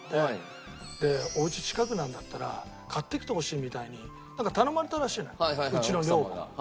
でお家近くなんだったら買ってきてほしいみたいになんか頼まれたらしいのようちの女房が。